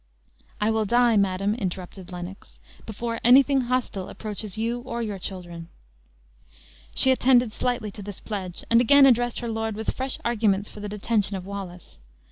"I will die, madam," interrupted Lennox, "before anything hostile approaches you or your children." She attended slightly to this pledge, and again addressed her lord with fresh arguments for the detention of Wallace.